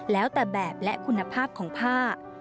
แล้วแต่แบบและคุณภาพของผ้า